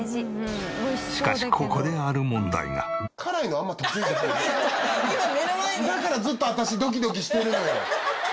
しかしここでだからずっと私ドキドキしてるのよ。